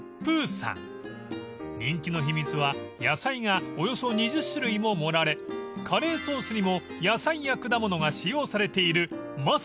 ［人気の秘密は野菜がおよそ２０種類も盛られカレーソースにも野菜や果物が使用されているまさに野菜尽くしというカレー］